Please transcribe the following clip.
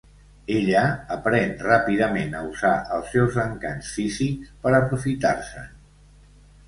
Ella aprèn ràpidament a usar els seus encants físics per aprofitar-se'n.